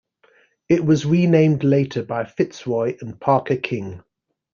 It was renamed later by Fitzroy and Parker King.